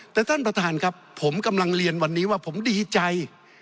แต่ท่านประธานครับผมกำลังเรียนวันนี้ว่าผมดีใจ